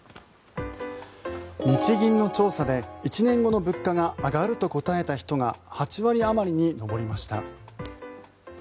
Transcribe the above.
日銀の調査で１年後の物価が上がると答えた人が８割あまりに上りました。